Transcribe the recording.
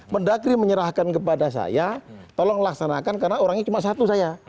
mendagri menyerahkan kepada saya tolong laksanakan karena orangnya cuma satu saya